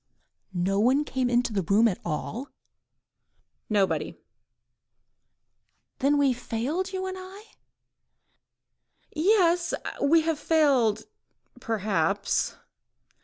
"Nobody came into the room at all?" "Nobody." "Then we have failed, you and I? ..." "Yes! we have failed—perhaps